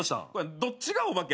どっちがお化けやった？